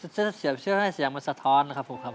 เชื่อว่าให้เสียงมันสะท้อนครับครับ